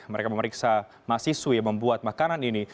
mereka memeriksa mahasiswi yang membuat makanan ini